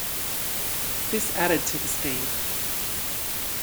This added to the speed.